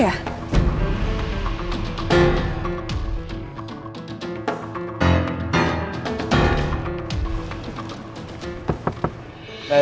iya kok gak ada phd terinjat